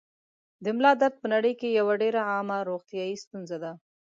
د ملا درد په نړۍ کې یوه ډېره عامه روغتیايي ستونزه ده.